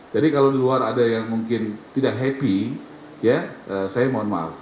jadi kalau di luar ada yang mungkin tidak happy ya saya mohon maaf